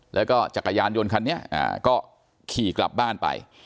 แล้วก็จักรยานยนต์คันนี้ก็ขี่กลับบ้านไป